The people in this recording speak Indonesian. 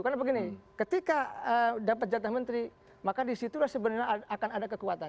karena begini ketika dapat jatah menteri maka disitu sebenarnya akan ada kekuatan